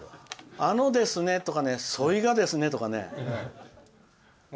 あのですねとかそいがですねとかね。